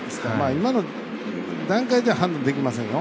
今の段階では判断できませんよ。